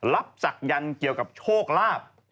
รับศักดิ์ยันเกี่ยวกับโชคลาภ